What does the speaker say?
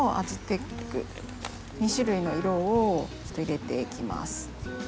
２種類の色を入れていきます。